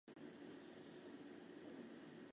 该死，我喜不喜欢你难道你感觉不到吗?